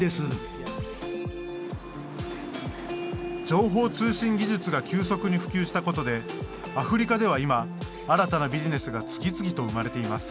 情報通信技術が急速に普及したことでアフリカでは今新たなビジネスが次々と生まれています。